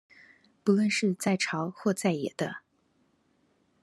不論是在朝或在野的